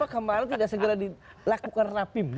kemarin tidak segera dilakukan rapim